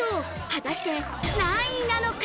果たして何位なのか？